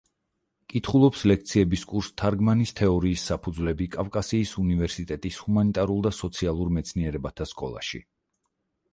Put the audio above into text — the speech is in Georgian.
კითხულობს ლექციების კურსს „თარგმანის თეორიის საფუძვლები“ კავკასიის უნივერსიტეტის ჰუმანიტარულ და სოციალურ მეცნიერებათა სკოლაში.